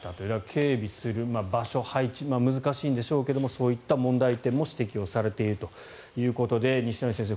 警備する場所、配置難しいんでしょうけどそういった問題点も指摘されているということで西成先生